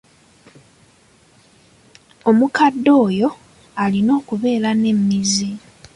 Omukadde oyo alina okubeera n'emmizi.